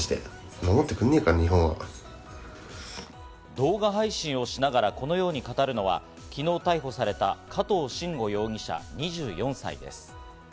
動画配信をしながら、このように語るのは昨日、逮捕された加藤臣吾容疑者、２４歳です。